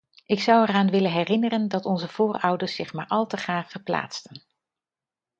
Ik zou eraan willen herinneren dat onze voorouders zich maar al te graag verplaatsten.